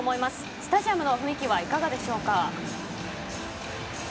スタジアムの雰囲気はいかがでしょうか？